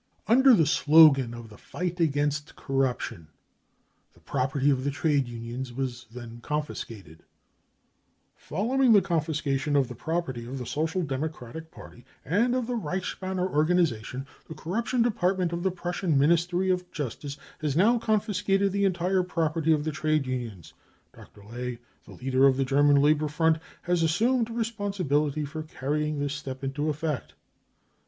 Under the slogan of the " fight against corruption 55 the property of the trade unions was then confiscated :€ cc Following on the confiscation of the property of the Social Democratic Party and of the Reichsbanner or ganisation, the Corruption Department of the Prussian Ministry of Justice has now confiscated the entire DESTRUCTION OF WORKERS 5 ORGANISATIONS I55 property of the trade unions. Dr. Ley, the leader of the German Labour Front, has assumed responsibility for carrying this step into effect."